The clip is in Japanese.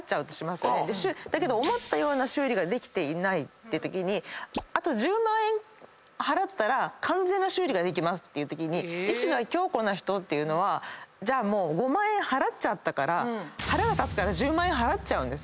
だけど思ったような修理ができていないってときにあと１０万円払ったら完全な修理ができますっていうときに意志が強固な人っていうのはもう５万円払っちゃったから腹が立つから１０万円払っちゃう。